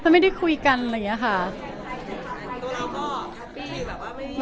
ไม่ได้คุยกันหรอมันไม่คนได้คุยกัน